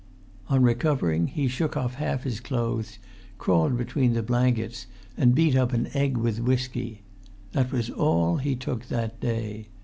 On recovering he shook off half his clothes, crawled between the blankets, and beat up an egg with whisky. This was all he took that day.